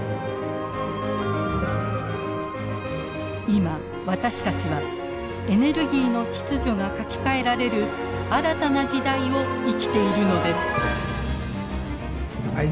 今私たちはエネルギーの秩序が書き換えられる新たな時代を生きているのです。